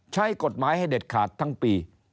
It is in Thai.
ใช้กฎหมายให้เด็ดขาดทั้งปี